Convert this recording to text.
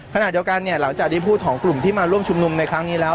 ขณะเดียวกันเนี่ยหลังจากที่พูดของกลุ่มที่มาร่วมชุมนุมในครั้งนี้แล้ว